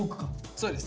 そうです。